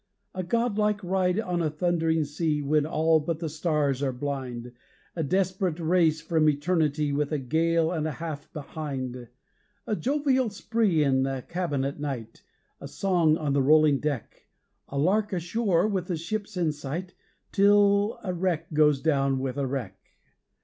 A god like ride on a thundering sea, When all but the stars are blind A desperate race from Eternity With a gale and a half behind. A jovial spree in the cabin at night, A song on the rolling deck, A lark ashore with the ships in sight, Till a wreck goes down with a wreck.